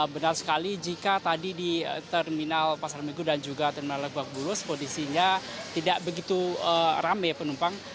benar sekali jika tadi di terminal pasar minggu dan juga terminal lebak bulus posisinya tidak begitu rame penumpang